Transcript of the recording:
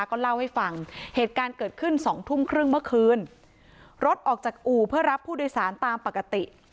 ก็เล่าให้ฟังเหตุการณ์เกิดขึ้นสองทุ่มครึ่งเมื่อคืนรถออกจากอู่เพื่อรับผู้โดยสารตามปกติ